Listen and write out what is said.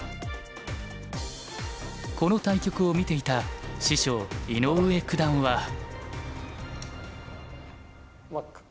この対局を見ていた師匠井上九段は。